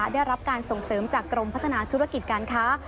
ได้รับการส่งเสริมจากกรมพัฒนาธุรกิจการค้า